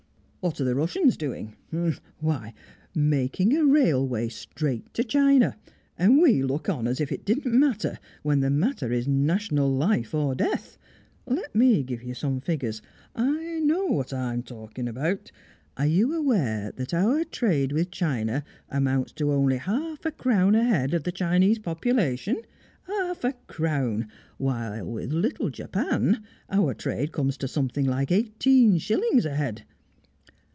What are the Russians doing? Why, making a railway straight to China! And we look on, as if it didn't matter, when the matter is national life or death. Let me give you some figures. I know what I'm talking about. Are you aware that our trade with China amounts to only half a crown a head of the Chinese population? Half a crown! While with little Japan, our trade comes to something like eighteen shillings a head.